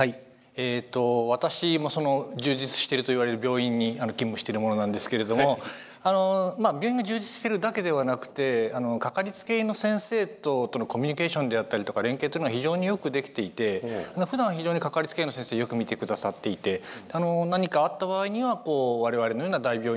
ええと私もその充実してるといわれる病院に勤務してる者なんですけれども病院が充実してるだけではなくてかかりつけ医の先生とのコミュニケーションであったりとか連携というのが非常によくできていてふだん非常にかかりつけ医の先生よく見て下さっていて何かあった場合にはこう我々のような大病院に紹介して下さって治療を受ける。